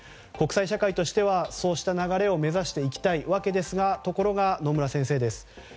国際社会としてはそうした流れを目指していきたいわけですがところが野村先生です。